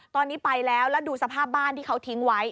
ตอนนี้ไปแล้วแล้วดูสภาพบ้านที่เขาทิ้งไว้